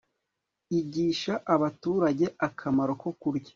igisha abaturage akamaro ko kurya